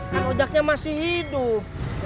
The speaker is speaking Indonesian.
kan objeknya masih hidup